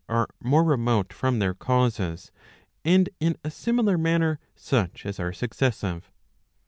are more remote from their causes, and in a similar manner such as are successive.